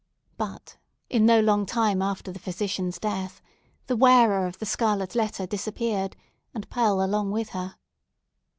But, in no long time after the physician's death, the wearer of the scarlet letter disappeared, and Pearl along with her.